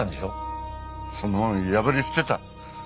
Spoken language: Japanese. そんなもの破り捨てた。